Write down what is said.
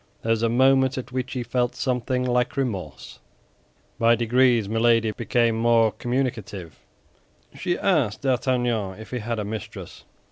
There was a moment at which he felt something like remorse. By degrees, Milady became more communicative. She asked D'Artagnan if he had a mistress.